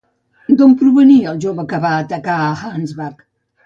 D'on provenia el jove que va atacar a Ansbach?